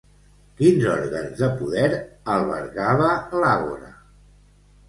Quins òrgans de poder albergava l'Àgora?